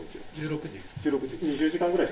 １６時。